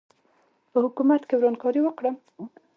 په حکومت کې ورانکاري وکړم.